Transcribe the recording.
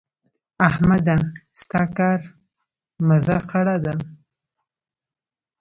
احمده؛ ستا د کار مزه خړه ده.